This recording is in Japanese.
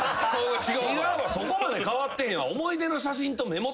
そこまで変わってへんわ。